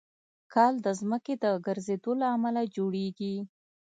کال د ځمکې د ګرځېدو له امله جوړېږي.